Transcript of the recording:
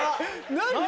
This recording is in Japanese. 何？